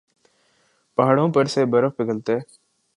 پہاڑوں پر سے برف پگھلتے